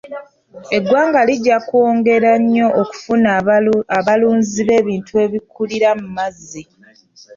Eggwanga lijja kwongera nnyo okufuna abalunzi b'ebintu ebikulira mu mazzi.